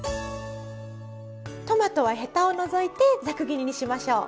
トマトはヘタを除いてざく切りにしましょう。